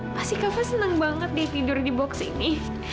masih kava seneng banget deh tidur di box ini